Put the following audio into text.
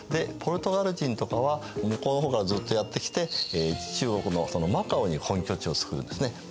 ポルトガル人とかは向こうの方からずっとやって来て中国のマカオに本拠地を作るんですね。